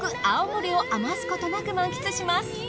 青森を余すことなく満喫します。